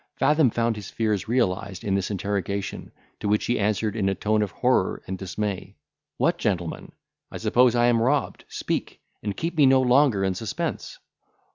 Fathom found his fears realised in this interrogation, to which he answered in a tone of horror and dismay, "What gentleman? I suppose I am robbed. Speak, and keep me no longer in suspense."